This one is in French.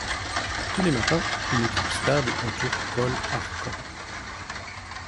Tous les matins, une équipe stable entoure Paul Arcand.